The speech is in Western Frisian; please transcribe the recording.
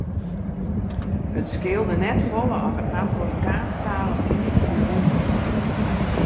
It skeelde net folle of in Napolitaansktalich liet hie wûn.